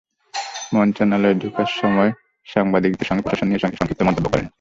মন্ত্রণালয়ে ঢোকার সময় সাংবাদিকদের সঙ্গে প্রশাসন নিয়ে তিনি সংক্ষিপ্ত মন্তব্য করেন।